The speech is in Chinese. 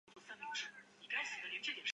不同的枪械会拥有不同形状的枪托。